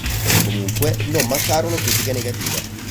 Comunque, non mancarono critiche negative.